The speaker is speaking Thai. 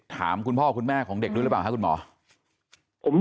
ถามคุณพ่อคุณแม่ของเด็กดูรึเปล่าครับคุณหมอ